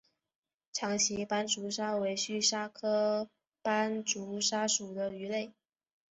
长鳍斑竹鲨为须鲨科斑竹鲨属的鱼类。